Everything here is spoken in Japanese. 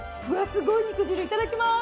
すごい肉汁、いただきます！